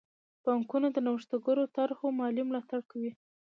بانکونه د نوښتګرو طرحو مالي ملاتړ کوي.